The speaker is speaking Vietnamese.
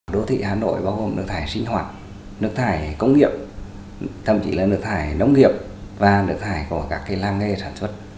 đô thị hà nội bao gồm nước thải sinh hoạt nước thải công nghiệp thậm chí là nước thải nông nghiệp và nước thải của các làng nghề sản xuất